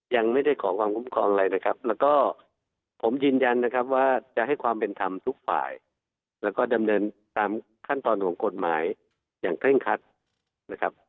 ยังไม่ได้ขอความคุ้มครองอะไรนะครับแล้วก็ผมยืนยันนะครับว่าจะให้ความเป็นธรรมทุกฝ่ายแล้วก็ดำเนินตามขั้นตอนของกฎหมายอย่างเคร่งคัดนะครับ